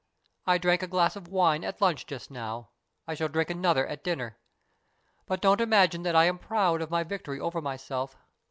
I drank a glass of wine at lunch just now. I shall drink another at dinner. But don't imagine that I am proud of my victory over myself.